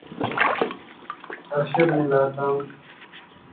ارشد نے lock down